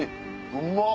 うまっ！